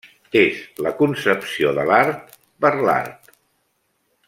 És la concepció de l'art per l'art.